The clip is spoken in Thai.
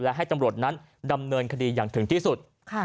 และให้ตำรวจนั้นดำเนินคดีอย่างถึงที่สุด